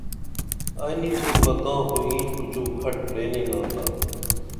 ائی نی تُھم بہ تاں خو اینچ پُچُو کھٹ پرینا تا